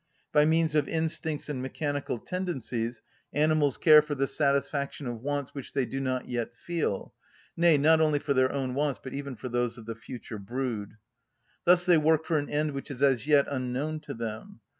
By means of instincts and mechanical tendencies animals care for the satisfaction of wants which they do not yet feel, nay, not only for their own wants, but even for those of the future brood. Thus they work for an end which is as yet unknown to them.